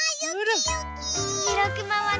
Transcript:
しろくまはね